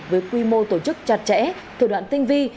với quy mô tổ chức chặt chẽ thủ đoạn tinh vi